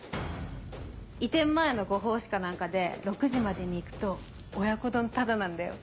移転前のご奉仕か何かで６時までに行くと親子丼タダなんだよ